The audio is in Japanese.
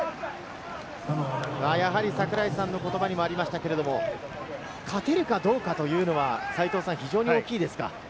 やはり櫻井さんの言葉にもありましたけれど、勝てるかどうかというのは非常に大きいですか？